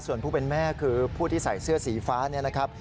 ส่วนผู้เป็นแม่คือผู้ที่ใส่เสื้อสีฟ้าเนี่ยนะครับ